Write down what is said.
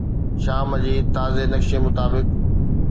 شام جي تازي نقشي مطابق